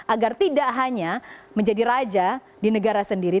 agar tidak hanya menjadi raja di negara sendiri